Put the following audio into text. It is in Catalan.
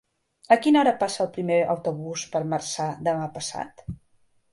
A quina hora passa el primer autobús per Marçà demà passat?